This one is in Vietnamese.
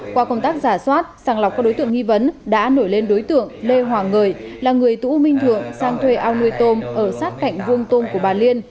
qua công tác giả soát sàng lọc các đối tượng nghi vấn đã nổi lên đối tượng lê hoàng người là người tủ minh thượng sang thuê ao nuôi tôm ở sát cạnh vương tôm của bà liên